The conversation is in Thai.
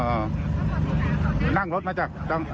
อ่านั่งรถมาจากที่ไหนบ้างพี่